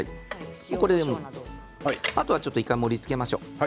あとは１回盛りつけましょう。